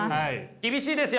厳しいですよ。